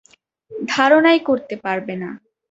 ধারণাই করতে পারবে না।